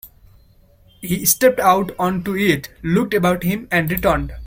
He stepped out on to it, looked about him, and returned.